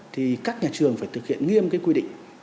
thì các nhà trường phải thực hiện nghiêm cái quy định